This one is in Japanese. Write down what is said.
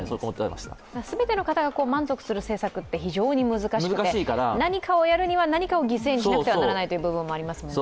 全ての方が満足する政策って非常に難しくて何かをやるには、何かを犠牲にしなければならない部分もありますもんね。